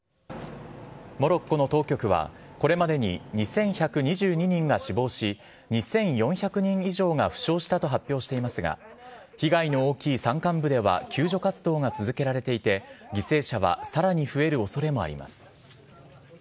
モロッコの当局は、これまでに２１２２人が死亡し、２４００人以上が負傷したと発表していますが、被害の大きい山間部では救助活動が続けられていて、犠牲者はさらに増えるおそれもあります。